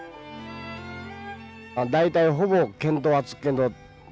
大体ほぼ見当はつくけんど